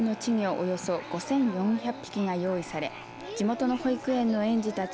およそ５４００匹が用意され地元の保育園の園児たち